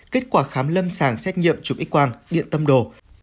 kết quả khám lâm sàng xét nghiệm trụ ít quang điện tâm đồ